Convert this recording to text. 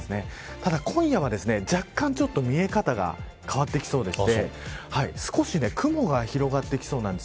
ただ今夜は若干、見え方が変わってきそうでして少し雲が広がってきそうなんです。